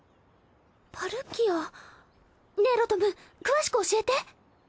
パルキアねぇロトム詳しく教えて。